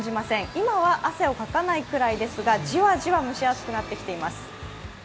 今は汗をかかないくらいですが、ジワジワ蒸し暑くなってきています。